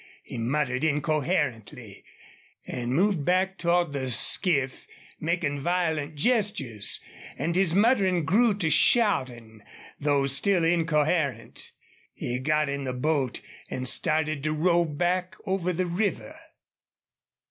He muttered incoherently, and moved back toward the skiff, making violent gestures, and his muttering grew to shouting, though still incoherent. He got in the boat and started to row back over the river.